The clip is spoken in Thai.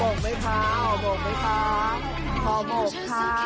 ห่อหมกมั้ยคะห่อหมกมั้ยคะ